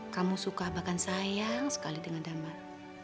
kamu suka bahkan sayang sekali dengan damar